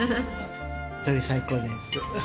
鶏、最高です。